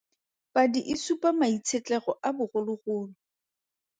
Padi e supa maitshetlego a bogologolo.